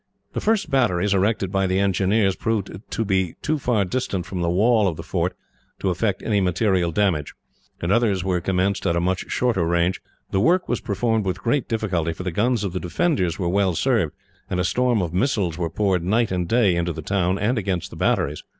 The first batteries erected by the engineers proved to be too far distant from the wall of the fort to effect any material damage, and others were commenced at a much shorter range. The work was performed with great difficulty, for the guns of the defenders were well served, and a storm of missiles were poured, night and day, into the town and against the batteries.